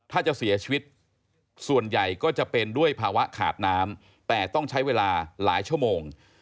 ถ้าจะเสียชีวิตส่วนใหญ่ก็จะเป็นด้วยภาวะขาดน้ำแต่ต้องใช้เวลาหลายชั่วโมง